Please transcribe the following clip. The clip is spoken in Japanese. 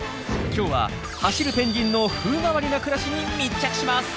今日は走るペンギンの風変わりな暮らしに密着します。